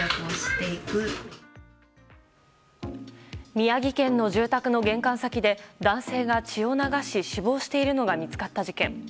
宮城県の住宅の玄関先で男性が血を流し死亡しているのが見つかった事件。